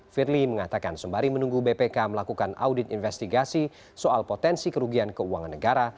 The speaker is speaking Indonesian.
firly mengatakan sembari menunggu bpk melakukan audit investigasi soal potensi kerugian keuangan negara